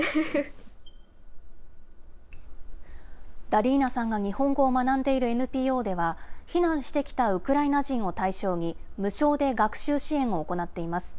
ダリーナさんが日本語を学んでいるＮＰＯでは、避難してきたウクライナ人を対象に、無償で学習支援を行っています。